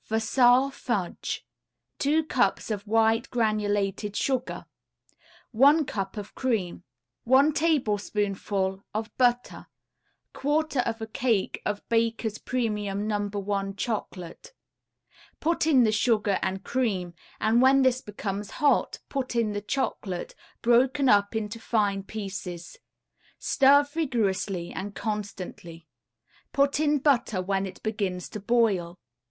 VASSAR FUDGE [Illustration: VASSAR FUDGE.] 2 cups of white granulated sugar, 1 cup of cream, 1 tablespoonful of butter, 1/4 a cake of Baker's Premium No. 1 Chocolate. Put in the sugar and cream, and when this becomes hot put in the chocolate, broken up into fine pieces. Stir vigorously and constantly. Put in butter when it begins to boil.